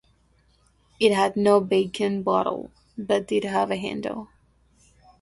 It had no vacuum bottle, but did have a handle.